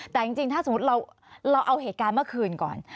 แต่จริงถ้าสมมุติเราเอาเหตุการณ์เมื่อคืนก่อน